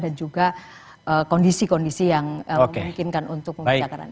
dan juga kondisi kondisi yang memungkinkan untuk pemerintah sekarang